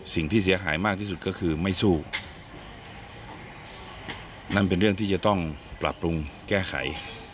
สิ่งที่เสียหายมากที่สุดก็คือไม่สู้นั่นเป็นเรื่องที่จะต้องปรับปรุงแก้ไข